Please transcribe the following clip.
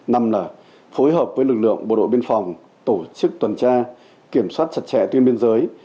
năm là phối hợp với lực lượng bộ đội biên phòng tổ chức tuần tra kiểm soát chặt chẽ tuyên biên giới